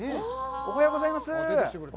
おはようございます。